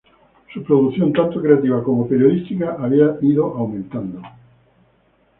Su producción, tanto creativa como periodística, había ido aumentando.